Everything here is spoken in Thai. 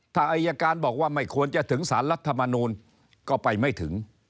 ถ้าอายการบอกว่าไม่ควรจะถึงสารรัฐมนูลก็ไปไม่ถึง